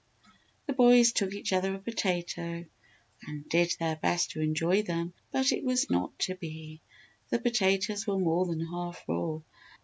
The boys each took a potato and did their best to enjoy them but it was not to be! The potatoes were more than half raw.